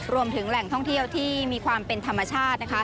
รวมถึงแหล่งท่องเที่ยวที่มีความเป็นธรรมชาติ